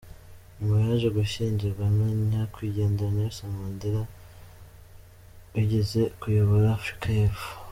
Nyuma, yaje gushyingiranwa na nyakwigendera Nelson Mandela wigeze kuyobora Afurika y’ Epfo.